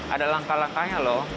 ada langkah langkahnya loh